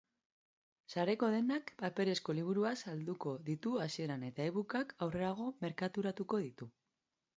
Sareko dendak paperezko liburuak salduko ditu hasieran eta ebook-ak aurrerago merkaturatuko ditu.